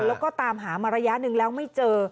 แล้วก็ตามหามาระยะหนึ่งแล้วไม่เจอ